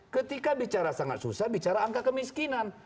ketika bicara sangat susah bicara angka kemiskinan